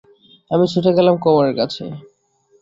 আমি ছুটে গেলাম কবরের কাছে।